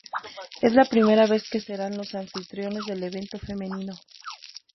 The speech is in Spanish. Es la primera vez que serán los anfitriones del evento femenino.